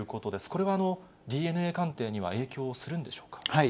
これはＤＮＡ鑑定には影響するんでしょうか。